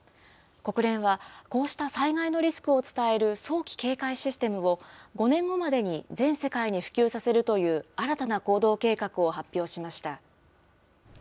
国連は、こうした災害のリスクを伝える早期警戒システムを、５年後までに全世界に普及させるという新たな行動計画を発表しました。